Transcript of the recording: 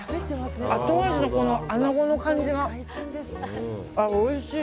あと味のアナゴの感じがおいしい。